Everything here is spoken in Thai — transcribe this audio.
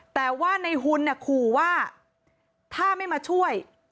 แต่ว่าในหุ่นขู่ว่าถ้าไม่มาช่วย